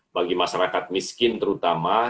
bagi masyarakat miskin terutama